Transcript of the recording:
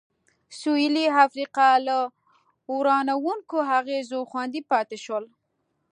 سوېلي افریقا له ورانوونکو اغېزو خوندي پاتې شول.